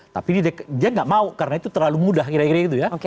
tapi dia nggak mau karena itu terlalu mudah kira kira gitu ya